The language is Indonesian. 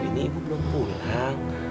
ini ibu belum pulang